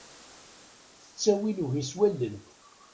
Tettawi lewhi s wallen.